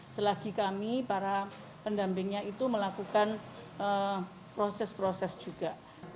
selagi kami para pendampingnya itu melakukan proses proses juga